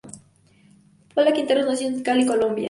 Paula Quinteros nació en Cali, Colombia.